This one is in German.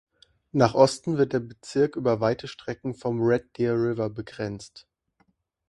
Nach Osten wird der Bezirk über weite Strecken vom Red Deer River begrenzt.